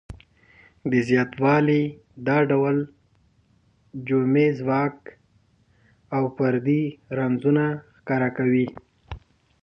دا زیاتوالی د ډول جمعي ځواک او فردي رنځونه ښکاره کوي.